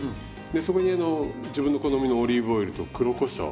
でそこにあの自分の好みのオリーブオイルと黒こしょう